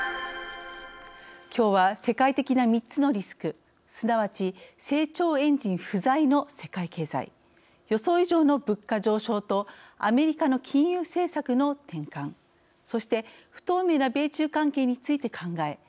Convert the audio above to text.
きょうは世界的な３つのリスクすなわち「成長エンジン不在」の世界経済予想以上の物価上昇とアメリカの金融政策の転換そして不透明な米中関係について考え